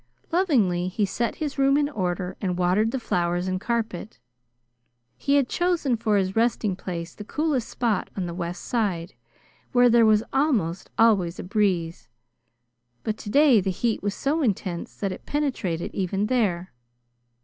Lovingly he set his room in order and watered the flowers and carpet. He had chosen for his resting place the coolest spot on the west side, where there was almost always a breeze; but today the heat was so intense that it penetrated even there.